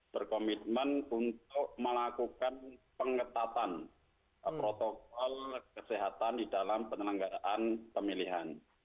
berkomitmen untuk melakukan pengetatan protokol kesehatan di dalam penyelenggaraan pemilihan